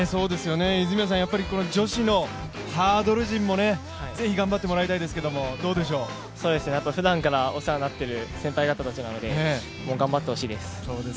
泉谷さん、女子のハードル陣もぜひ頑張ってもらいたいですけど、どうでしょうふだんからお世話になっている先輩方なので頑張ってほしいです。